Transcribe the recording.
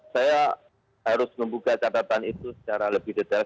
saya harus membuka catatan itu secara lebih detail